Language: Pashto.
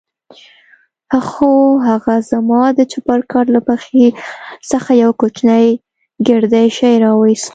خو هغه زما د چپرکټ له پښې څخه يو کوچنى ګردى شى راوايست.